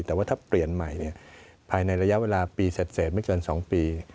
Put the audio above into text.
แต่ว่าถ้าเปลี่ยนใหม่ภายในระยะเวลาปีเสร็จไม่เกิน๒ปี